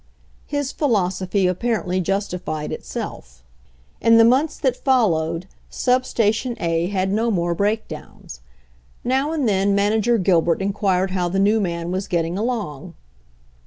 His philosophy apparently justified itself. In the months that followed sub station A had 69 ^ 70 HENRY FORD'S OWN STORY no more breakdowns. Now and then Manager Gilbert inquired how the new man was getting along.